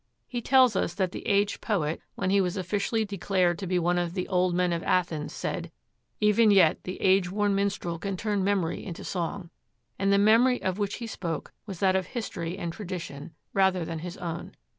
He tells us that the aged poet, when he was officially declared to be one of 'the old men of Athens,' said, 'Even yet the age worn minstrel can turn Memory into song'; and the memory of which he spoke was that of history and tradition, rather than his own.